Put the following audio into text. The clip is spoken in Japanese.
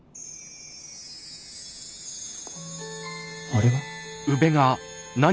あれは？